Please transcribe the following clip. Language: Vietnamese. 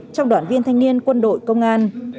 trong đoàn viên thanh niên quân đội công an